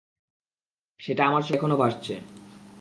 সেটা আমার চোখে এখনো ভাসছে।